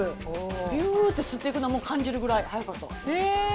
びゅーって吸っていくの感じるぐらい、速かったわ。